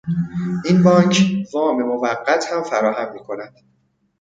این بانک وام موقت هم فراهم میکند.